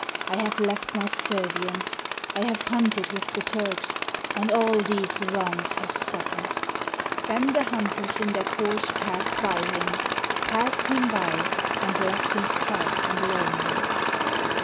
I have left my Servians, — I have hunted With the Turks, — and all these wrongs have suffer'd." Then the hunters in their course pass'd by him — Pass'd him by, and left him sad and lonely.